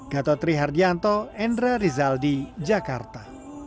gatotri hardianto endra rizaldi jakarta